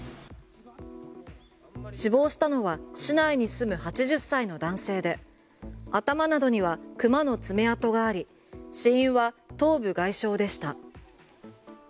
死亡したのは市内に住む８０歳の男性で頭などにはクマの爪痕があり死因は頭部外傷でした。